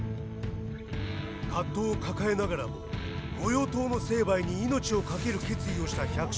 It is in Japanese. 葛藤を抱えながらも御用盗の成敗に命をかける決意をした百姓たち。